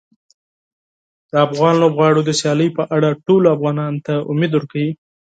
د افغان لوبغاړو د سیالیو په اړه ټولو افغانانو ته امید ورکوي.